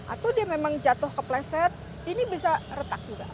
atau dia memang jatuh kepleset ini bisa retak juga